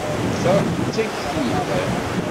Ta d takti yelhan.